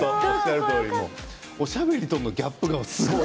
おしゃべりとのギャップがすごい。